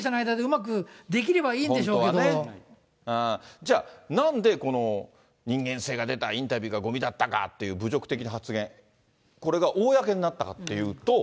じゃあ、なんでこの人間性が出た、インタビューがごみだったかっていう侮辱的な発言、これが公になったかというと。